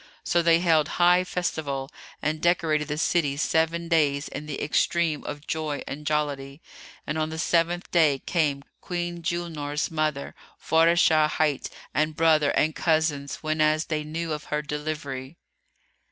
So they held high festival and decorated the city seven days, in the extreme of joy and jollity: and on the seventh day came Queen Julnar's mother, Faráshah hight,[FN#312] and brother and cousins, whenas they knew of her delivery.